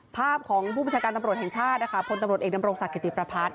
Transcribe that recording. ภาพของผู้ประชาการตำรวจแห่งชาติพลตำรวจเอกนำโรงศาสตร์กิจิปราพรรดิ